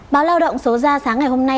báo lao động số ra sáng ngày hôm nay